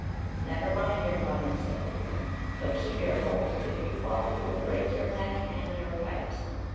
"Never mind your mother," said the Púca, "but keep your hold. If you fall, you will break your neck and your pipes."